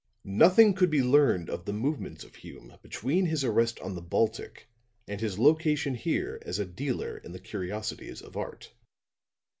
"'Nothing could be learned of the movements of Hume between his arrest on the Baltic and his location here as a dealer in the curiosities of art.